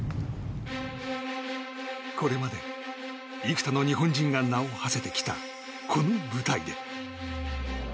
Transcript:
これまで幾多の日本人が名をはせてきたこの舞台で。